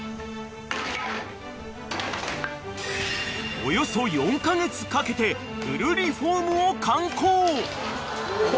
［およそ４カ月かけてフルリフォームを敢行］